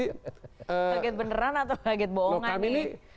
kaget beneran atau kaget bohongan nih